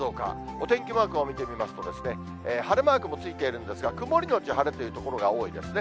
お天気マークを見てみますと、晴れマークもついているんですが、曇り後晴れという所が多いですね。